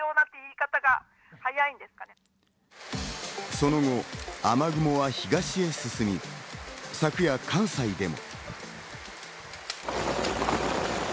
その後、雨雲は東へ進み、昨夜、関西でも。